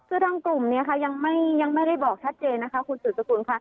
คือทางกลุ่มนี้ยังไม่ได้บอกชัดเจนคุณสืบสกุล